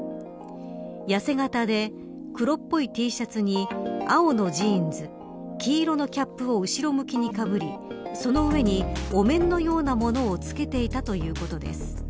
痩せ形で黒っぽいＴシャツに青のジーンズ黄色のキャップを後ろ向きにかぶりその上にお面のようなものを着けていたということです。